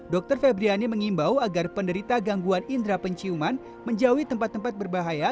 dr febriani mengimbau agar penderita gangguan indera penciuman menjauhi tempat tempat berbahaya